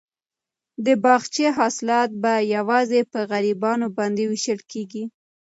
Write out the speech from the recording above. د باغچې حاصلات به یوازې په غریبانو باندې وېشل کیږي.